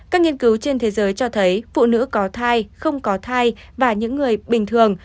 các nghiên cứu trên thế giới cho thấy phụ nữ có thai không có thai và những người bình thường